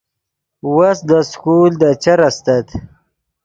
وس دے سکول دے چر استت